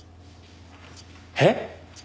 えっ！？